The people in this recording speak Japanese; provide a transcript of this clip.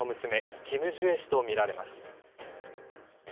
キム・ジュエ氏とみられます。